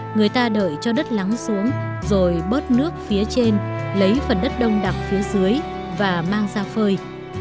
người ta đợi cho đất lắng xuống rồi bớt nước phía trên lấy phần đất đông đặc phía dưới và mang ra phơi